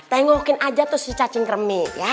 tengokin aja tuh si cacing kremi ya